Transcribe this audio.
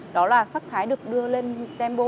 đó là sắc thái được đưa lên tempo